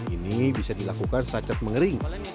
ini bisa dilakukan secat mengering